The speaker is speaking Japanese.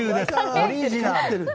オリジナル。